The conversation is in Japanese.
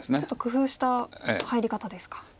ちょっと工夫した入り方ですか。